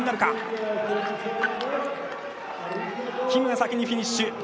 キムが先にフィニッシュ。